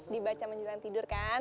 dibaca menjelang tidur kan